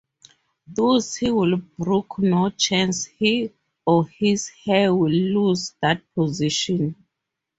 Thus, he will brook no chance he or his heir will lose that position.